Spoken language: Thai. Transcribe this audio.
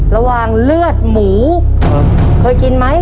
ระหว่างเลือดหมูเคยกินไหม